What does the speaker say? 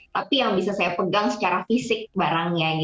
tapi yang bisa saya pegang secara fisik barangnya